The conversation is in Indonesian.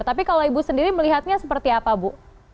tapi kalau ibu sendiri melihatnya seperti apa bu